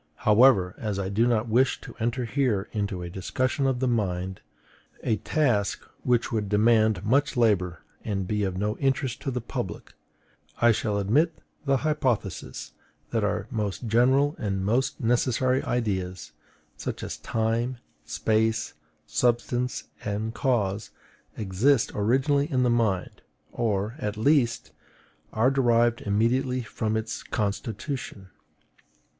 However, as I do not wish to enter here into a discussion of the mind, a task which would demand much labor and be of no interest to the public, I shall admit the hypothesis that our most general and most necessary ideas such as time, space, substance, and cause exist originally in the mind; or, at least, are derived immediately from its constitution.